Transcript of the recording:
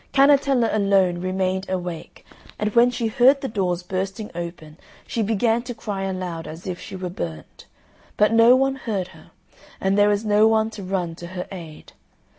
Cannetella alone remained awake, and when she heard the doors bursting open she began to cry aloud as if she were burnt, but no one heard her, and there was no one to run to her aid.